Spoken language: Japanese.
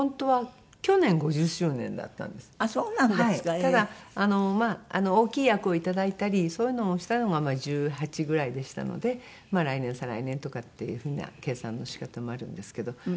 ただまあ大きい役をいただいたりそういうのをしたのが１８ぐらいでしたのでまあ来年再来年とかっていう風な計算の仕方もあるんですけど。